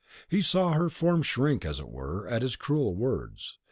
He saw her form shrink, as it were, at his cruel words.